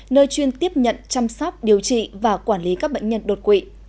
nơi chuyên tiếp nhận chăm sóc điều trị và quản lý các bệnh nhân đột quỵ